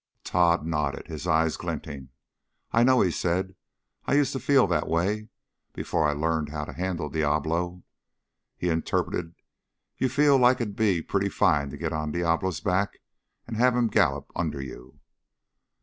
Tod nodded, his eyes glinting. "I know," he said. "I used to feel that way before I learned how to handle Diablo." He interpreted, "You feel like it'd be pretty fine to get onto Diablo's back and have him gallop under you."